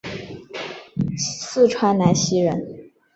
四川南溪人。